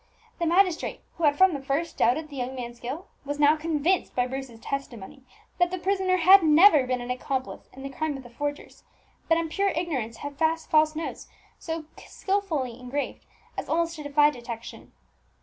The magistrate, who had from the first doubted the young man's guilt, was now convinced, by Bruce's testimony, that the prisoner had never been an accomplice in the crime of the forgers, but in pure ignorance had passed false notes so skilfully engraved as almost to defy detection.